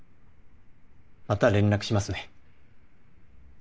また連絡しますね。